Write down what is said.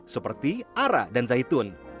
seperti arah dan zaitun